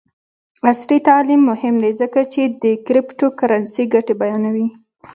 عصري تعلیم مهم دی ځکه چې د کریپټو کرنسي ګټې بیانوي.